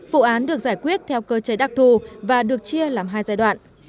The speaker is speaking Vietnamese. vụ án được giải quyết theo cơ chế đặc thù và được chia làm hai giai đoạn